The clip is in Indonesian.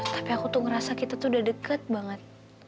tapi aku tuh ngerasa kita tuh udah deket banget